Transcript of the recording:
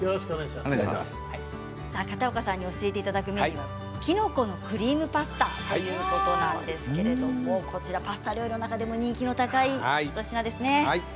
教えていただくメニューはきのこのクリームパスタということなんですけれどパスタ料理の中でも人気の高い一品ですね。